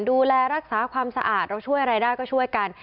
ดูแลรักษาความสะอาดเราช่วยอะไรได้ก็ช่วยกัน